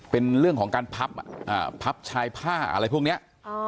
เป็นเรื่องของการพับพับชายผ้าอะไรพวกนี้